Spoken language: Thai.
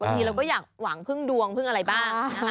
ทีเราก็อยากหวังพึ่งดวงพึ่งอะไรบ้าง